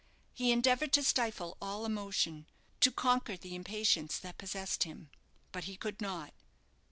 He endeavoured to stifle all emotion to conquer the impatience that possessed him; but he could not.